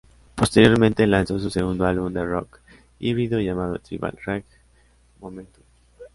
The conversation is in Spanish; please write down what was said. Posteriormente lanzó su segundo álbum de rock híbrido llamado "Tribal Rage: Momentum".